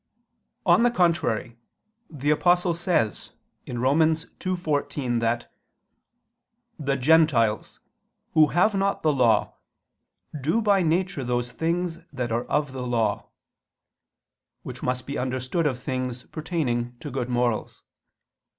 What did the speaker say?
On the contrary, The Apostle says (Rom. 2:14) that "the Gentiles, who have not the Law, do by nature those things that are of the Law": which must be understood of things pertaining to good morals.